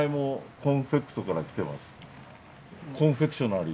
コンフェクショナリー。